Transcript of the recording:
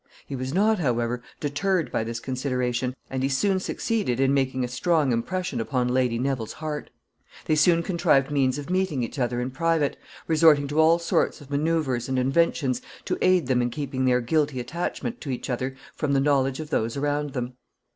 He was not, however, deterred by this consideration, and he soon succeeded in making a strong impression upon Lady Neville's heart. They soon contrived means of meeting each other in private, resorting to all sorts of manoeuvres and inventions to aid them in keeping their guilty attachment to each other from the knowledge of those around them.